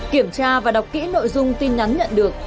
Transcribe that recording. kiểm tra và đọc kỹ nội dung tin nhắn nhận được